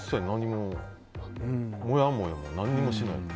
もやもやも何もしない。